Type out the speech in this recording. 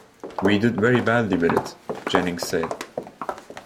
"We did very badly with it," Jennings said.